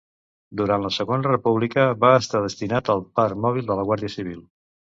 Durant la Segona República va estar destinat al Parc Mòbil de la Guàrdia Civil.